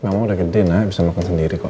mama udah gede na bisa makan sendiri kok